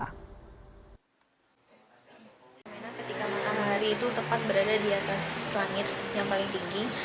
fenomena ketika matahari itu tepat berada di atas langit yang paling tinggi